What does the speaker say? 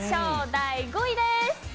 第５位です。